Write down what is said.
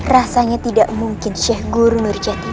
rasanya tidak mungkin sheikh guru nurjati